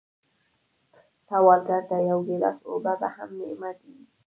سوالګر ته یو ګیلاس اوبه هم نعمت دی